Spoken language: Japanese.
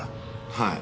はい。